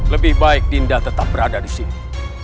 lebih baik dinda tetap berada di sini